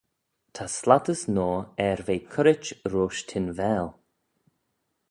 Ta slattys noa er ve currit roish Tinvaal.